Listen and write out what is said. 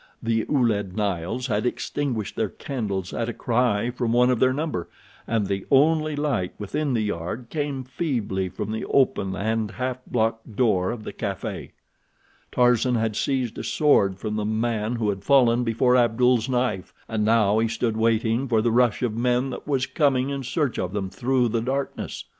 The Ouled Nails had extinguished their candles at a cry from one of their number, and the only light within the yard came feebly from the open and half blocked door of the café. Tarzan had seized a sword from the man who had fallen before Abdul's knife, and now he stood waiting for the rush of men that was coming in search of them through the darkness.